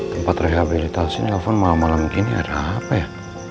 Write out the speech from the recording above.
tempat rehabilitasi nelfon malam malam gini ada apa ya